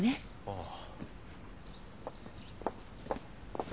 ああ。